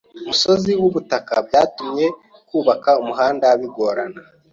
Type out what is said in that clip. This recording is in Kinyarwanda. Umusozi wubutaka byatumye kubaka umuhanda bigorana.